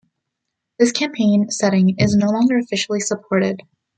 This campaign setting is no longer officially supported.